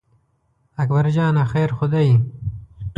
اکبر جانه خیر خو دی.